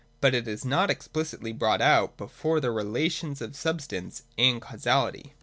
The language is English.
But it is not explicitly brought out before the Relations of Substance and Causality.